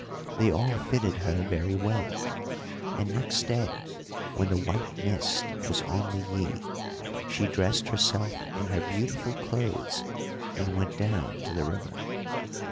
They all fitted her very well; and next day when the white mist was on the Yí she dressed herself in her beautiful clothes and went down to the river.